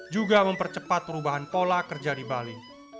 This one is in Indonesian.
juga mempercepat perubahan pola kerja di bali